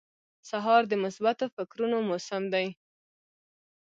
سهار د مثبتو فکرونو موسم دی.